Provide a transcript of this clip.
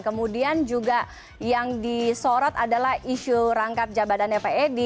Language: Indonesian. kemudian juga yang disorot adalah isu rangkap jabadannya p e d